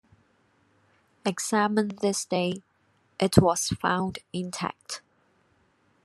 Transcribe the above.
Examined this day; it was found intact.